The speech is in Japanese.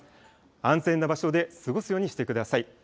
安全な場所で過ごすようにしてください。